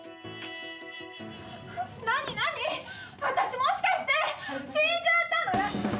なになに私もしかして死んじゃったの？